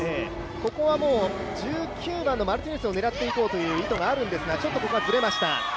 ここは１９番のマルティネスを狙っていこうという意図があるんですがちょっとここはずれました。